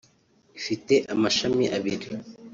Ifite amashami abiri